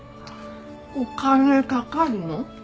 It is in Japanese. お金かかるの？